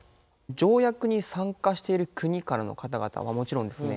条約に参加している国からの方々はもちろんですね